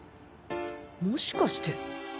もしかして。